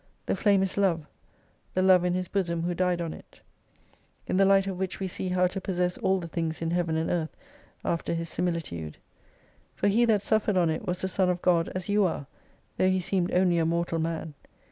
The flame is Love : the Love in His bosom who died on it. In the light of which we see how to possess all the things in Heaven and Earth after His simiUtude. For He that suffered on it was the Son of God as you are : tho' He seemed only a mortal man.